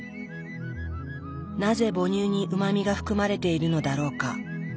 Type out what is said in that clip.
なぜ母乳にうま味が含まれているのだろうか？